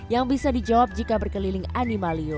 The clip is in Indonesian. yang bisa dijawab jika berkelilingan